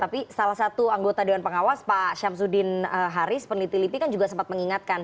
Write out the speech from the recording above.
tapi salah satu anggota dewan pengawas pak syamsuddin haris peneliti lipi kan juga sempat mengingatkan